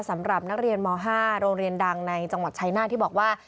สำหรับนักเรียนม๕โรงเรียนดังในจังหวัดชายนาฏที่บอกว่า